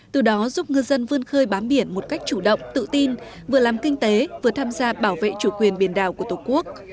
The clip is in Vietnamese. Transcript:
từ đó giúp ngư dân vươn khơi bám biển một cách chủ động tự tin vừa làm kinh tế vừa tham gia bảo vệ chủ quyền biển đảo của tổ quốc